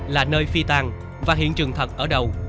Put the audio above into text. là nơi phi tan và hiện trường thật ở đầu